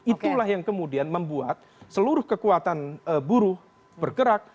itulah yang kemudian membuat seluruh kekuatan buruh bergerak